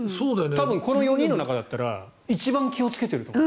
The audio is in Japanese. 多分、この４人の中だったら一番気をつけてる。